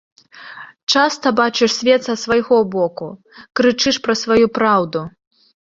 Часта бачыш свет са свайго боку, крычыш пра сваю праўду.